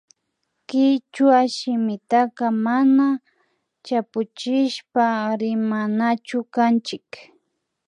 Kichwa shimitaka mana chapuchishpa rimanachu kanchik